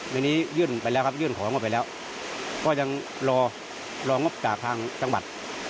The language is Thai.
ในนี้ยื่นของงบไปแล้วก็ยังรองบจากทางจังหวัด